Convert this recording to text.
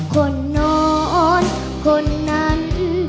คนนอนคนนั้น